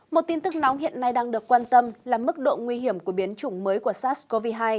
một tin tức nóng hiện nay đang được quan tâm là mức độ nguy hiểm của biến chủng mới của sars cov hai